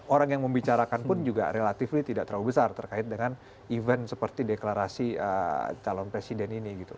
orang yang membicarakan pun juga relatively tidak terlalu besar terkait dengan event seperti deklarasi calon presiden ini gitu